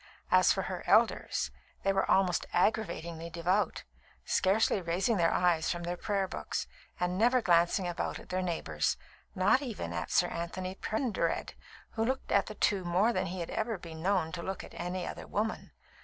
As for her elders, they were almost aggravatingly devout, scarcely raising their eyes from their prayer books, and never glancing about at their neighbours, not even at Sir Anthony Pendered, who looked at the two more than he had ever been known to look at any other women.